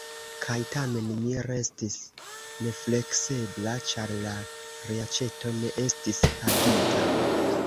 Kaj tamen mi restis nefleksebla, ĉar la reaĉeto ne estis pagita.